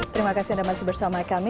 terima kasih anda masih bersama kami